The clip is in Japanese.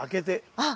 あっ！